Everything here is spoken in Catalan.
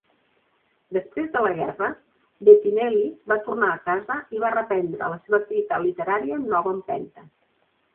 Després de la guerra, Bettinelli va tornar a casa i va reprendre la seva activitat literària amb nova empenta.